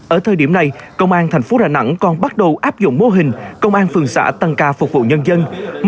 ở thời điểm này công an thành phố đà nẵng còn bắt đầu áp dụng mô hình công an phường xã tăng ca phục vụ nhân dân